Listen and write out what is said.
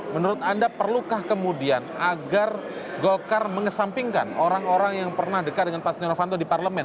menurut anda perlukah kemudian agar golkar mengesampingkan orang orang yang pernah dekat dengan pak setia novanto di parlemen